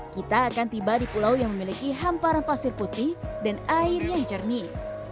kita akan tiba di pulau yang memiliki hamparan pasir putih dan air yang cernih